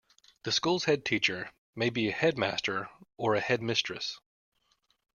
The school's headteacher may be a headmaster or a headmistress